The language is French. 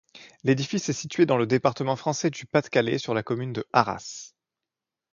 L'édifice est situé dans le département français du Pas-de-Calais, sur la commune de Arras.